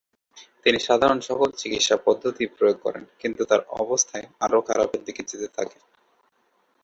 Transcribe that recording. তিনি সাধারণ সকল চিকিৎসা পদ্ধতিই প্রয়োগ করেন কিন্তু তার অবস্থায় আরো খারাপের দিকে যেতে থাকে।